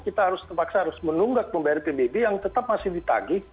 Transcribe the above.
kita harus terpaksa harus menunggak pembayaran pbb yang tetap masih ditagih